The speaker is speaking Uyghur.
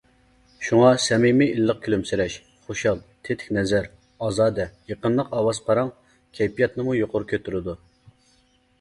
شۇڭا سەمىمىي ئىللىق كۈلۈمسىرەش، خۇشال، تېتىك نەزەر، ئازادە، يېقىملىق ئاۋاز پاراڭ كەيپىياتىنىمۇ يۇقىرى كۆتۈرىدۇ.